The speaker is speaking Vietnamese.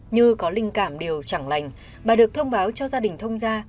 như có linh cảm điều chẳng lành bà được thông báo cho gia đình thông ra